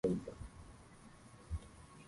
ezi kuendelea katika mfumo huu wa kujenga muziki